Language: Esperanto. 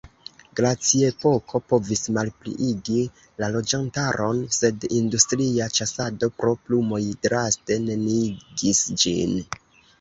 Glaciepoko povis malpliigi la loĝantaron, sed industria ĉasado pro plumoj draste neniigis ĝin.